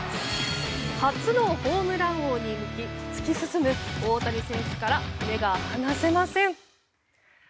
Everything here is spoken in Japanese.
初のホームラン王に向け突き進む大谷選手から目が離せません！